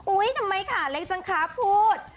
อุ๊ยทำไมขาเล็กจังครับพูด